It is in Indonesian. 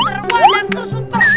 teruah dan tersuper